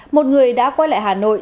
một người đã quay lại hà nội